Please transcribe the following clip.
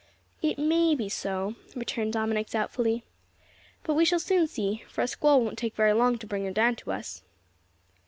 "It may be so," returned Dominick doubtfully. "But we shall soon see, for a squall won't take very long to bring her down to us."